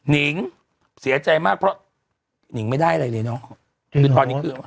นิ่งเสียใจมากเพราะนิ่งไม่ได้อะไรเลยเนาะ